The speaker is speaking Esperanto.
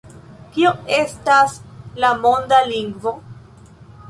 Kio estas la monda lingvo?